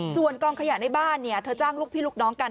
ส่วนกองขยะในบ้านเธอจ้างลูกพี่ลูกน้องกัน